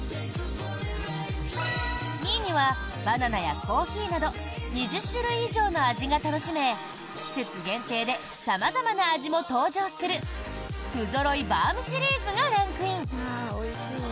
２位には、バナナやコーヒーなど２０種類以上の味が楽しめ季節限定で様々な味も登場する不揃いバウムシリーズがランクイン。